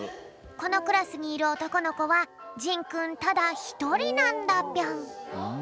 このクラスにいるおとこのこはじんくんただひとりなんだぴょん。